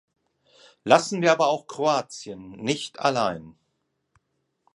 Lassen wir aber auch Kroatien nicht allein!